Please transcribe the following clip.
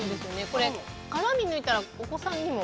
これ、辛み抜いたらお子さんにも。